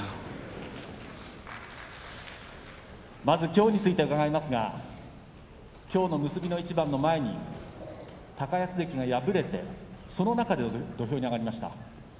まず、きょうについて伺いますが、結びの一番の前に高安関が敗れて、その中で土俵に上がりました。